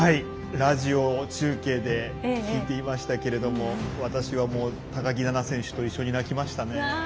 ラジオ中継で聴いていましたけれども私は、高木菜那選手と一緒に泣きましたね。